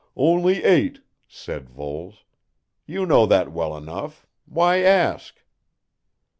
"Only eight," said Voles. "You know that well enough, why ask?"